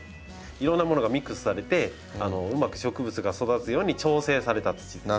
いろんなものがミックスされてうまく植物が育つように調整された土です。